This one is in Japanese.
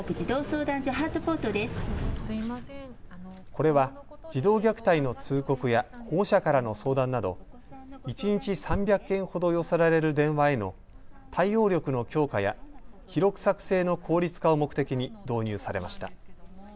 これは児童虐待の通告や保護者からの相談など一日３００件ほど寄せられる電話への対応力の強化や記録作成の効率化を目的に導入されました。